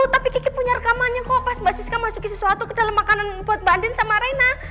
tapi kiki punya rekamannya kok pas mbak siska masukin sesuatu ke dalam makanan yang buat bandin sama reina